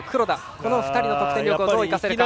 この２人の得点力をどう生かせるか。